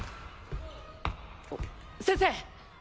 先生！